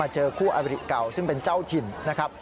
เจอคู่อบริเก่าซึ่งเป็นเจ้าถิ่นนะครับ